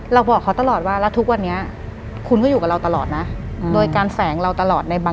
หลังจากนั้นเราไม่ได้คุยกันนะคะเดินเข้าบ้านอืม